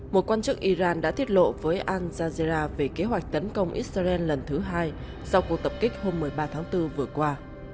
một quan chức iran đã thiết lộ với al jazera về kế hoạch tấn công israel lần thứ hai sau cuộc tập kích hôm một mươi ba tháng bốn vừa qua